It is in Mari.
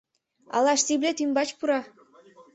Ала штиблет ӱмбач пура?